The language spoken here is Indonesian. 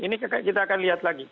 ini kita akan lihat lagi